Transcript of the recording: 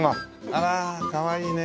あらかわいいね。